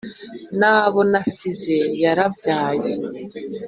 n’abo nasize yarabyaye